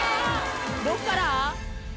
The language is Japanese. どこから？